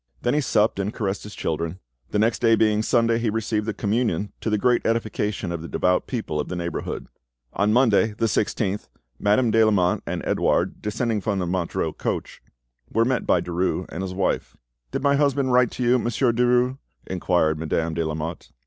Then he supped, and caressed his children. The next day being Sunday, he received the communion, to the great edification of the devout people of the neighbourhood. On Monday the 16th Madame de Lamotte and Edouard, descending from the Montereau stagecoach, were met by Derues and his wife. "Did my husband write to you, Monsieur Derues?" inquired Madame de Lamotte.